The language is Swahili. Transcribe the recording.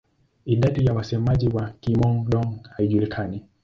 Idadi ya wasemaji wa Kihmong-Dô haijulikani.